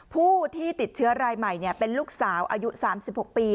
ผู้ที่ติดเชื้อรายใหม่เป็นลูกสาวอายุ๓๖ปี